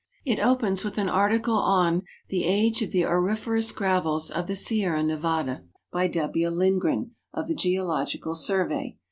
It opens with an article on " The Age of the Auriferous Gravels of the Sierra Nevada," by W. Lindgren, of the Geological Survey.